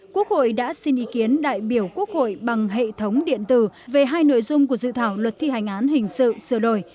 quốc hội đã xin ý kiến đại biểu quốc hội bằng hệ thống điện tử về hai nội dung của dự thảo luật thi hành án hình sự sửa đổi